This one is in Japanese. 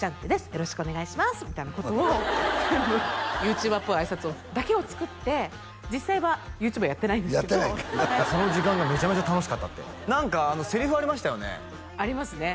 「よろしくお願いします」みたいなことを全部ＹｏｕＴｕｂｅｒっぽいあいさつだけを作って実際はＹｏｕＴｕｂｅはやってないんですけどその時間がめちゃめちゃ楽しかったって何かセリフありましたよねありますね